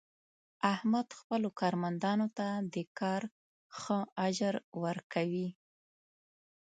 احمد خپلو کارمندانو ته د کار ښه اجر ور کوي.